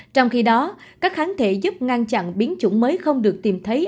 trong khi đó các kháng thể giúp ngăn chặn biến chủng mới không được tìm thấy